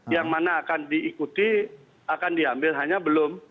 yang mana akan diikuti akan diambil hanya belum